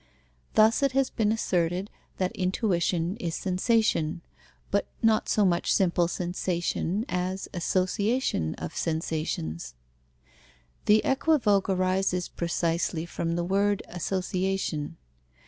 Thus, it has been asserted that intuition is sensation, but not so much simple sensation as association of sensations. The equivoque arises precisely from the word "association."